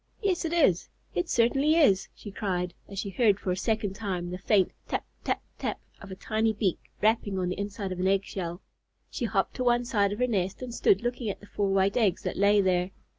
"Yes, it is! It certainly is!" she cried, as she heard for a second time the faint "tap tap tap" of a tiny beak rapping on the inside of an egg shell. She hopped to one side of her nest and stood looking at the four white eggs that lay there.